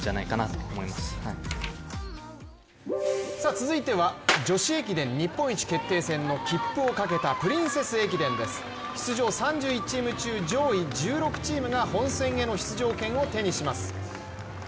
続いては女子駅伝日本一決定戦の切符をかけたプリンセス駅伝です、出場３１チーム中上位１６チームが本戦への出場権を手にします。